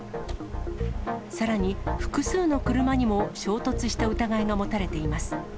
さらに複数の車にも衝突した疑いが持たれています。